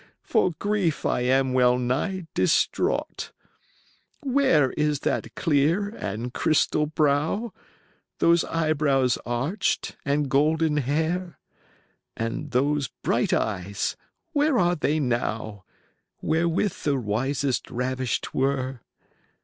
For grief I am well nigh distraught. 40 VI."Where is that clear and crystal brow? Those eyebrows arched and golden hair? And those bright eyes, where are they now, Wherewith the wisest ravished were?